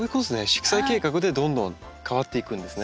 色彩計画でどんどん変わっていくんですね。